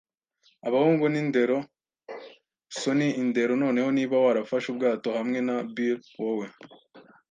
abahungu ni indero, sonny - indero. Noneho, niba warafashe ubwato hamwe na Bill, wowe